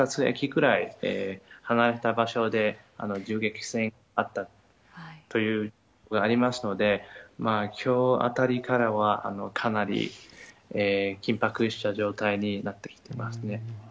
駅ぐらい離れた場所で銃撃戦があったということがありますので、きょうあたりからはかなり緊迫した状態になってきてますね。